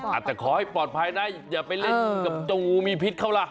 อาจจะขอให้ปลอดภัยนะอย่าไปเล่นกับจูมีพิษเขาล่ะ